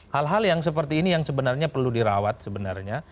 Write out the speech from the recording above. hal hal yang seperti ini yang sebenarnya perlu dirawat sebenarnya